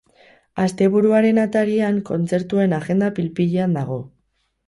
Asteburuaren atarian, kontzertuen agenda pil-pilean dago.